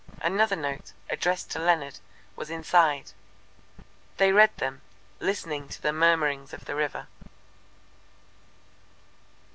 Another note, addressed to Leonard, was inside. They read them, listening to the murmurings of the river.